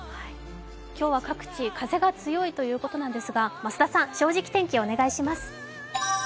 今日は各地風が強いということなんですが、増田さん、「正直天気」お願いします